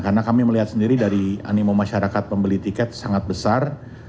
karena kami melihat sendiri dari animo masyarakat membeli tiket sangat besar